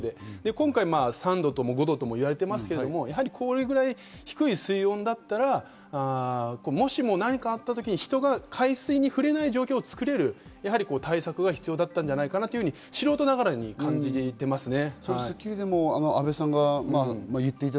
今回３度とも５度とも言われてますが、これくらい低い水温だったらもしも何かあった時に人が海水に触れない状況をつくれる対策が必要だったんじゃないかなと素人ながらに感じていますね。